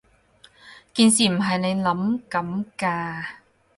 件事唔係你諗噉㗎